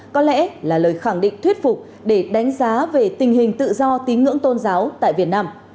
có lẽ là lời khẳng định thuyết phục để đánh giá về tình hình tự do tín ngưỡng tôn giáo tại việt nam